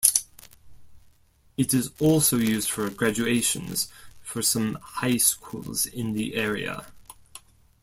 It is also used for graduations for some high schools in the area.